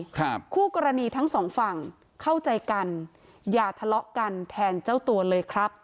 คู่กรณีทั้งสองฝั่งเข้าใจกันอย่าทะเลาะกันแทนเจ้าตัวเลยครับ